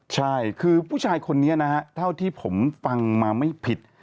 ใช่คือผู้ชายคนนี้นะฮะเท่าที่ผมฟังมาไม่ผิด